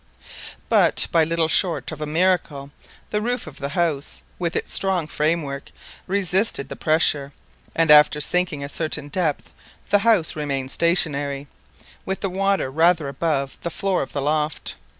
But by little short of a miracle, the roof of the house, with its strong framework, resisted the pressure, and after sinking a certain depth the house remained stationary, with the water rather above the floor of the loft.